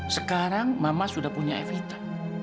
sekarang mama sudah punya evita